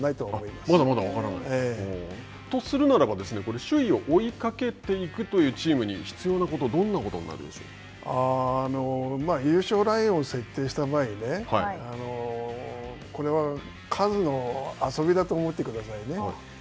まだまだ分からない？とするならば、首位を追いかけていくチームに必要なことは優勝ラインを設定した場合に、これは、数の遊びだと思ってくださいね。